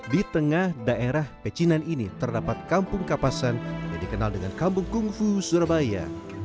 di tengah daerah pecinan ini terdapat kampung kapasan yang dikenal dengan kampung kungfu surabaya